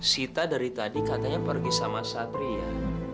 sita dari tadi katanya pergi sama satri ya